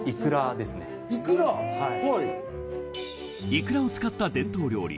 いくらを使った伝統料理